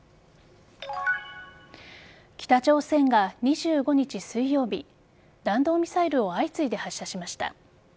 北朝鮮が２５日水曜日弾道ミサイルを相次いで発射しました。